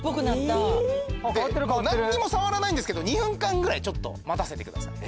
何にも触らないんですけど２分間ぐらい待たせてください。